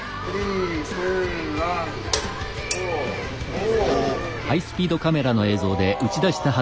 お。